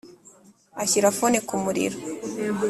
ashyira phone kumuriro.